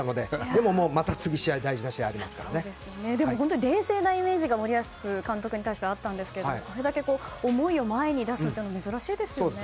でも、また次に冷静なイメージが森保監督に対してはあったんですけどもこれだけ思いを前に出すのも珍しいですよね。